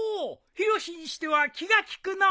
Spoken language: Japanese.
ヒロシにしては気が利くのう。